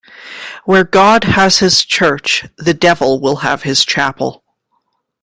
Where God has his church, the devil will have his chapel.